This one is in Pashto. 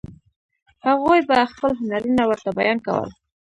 هغوی به خپل هنرونه ورته بیان کول.